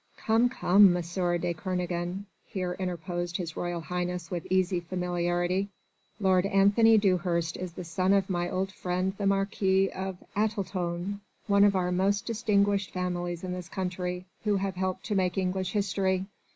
"Come, come, M. de Kernogan," here interposed His Royal Highness with easy familiarity, "Lord Anthony Dewhurst is the son of my old friend the Marquis of Atiltone: one of our most distinguished families in this country, who have helped to make English history.